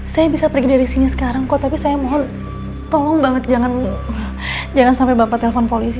saya bisa pergi dari sini sekarang kok tapi saya mohon tolong banget jangan sampai bapak telpon polisi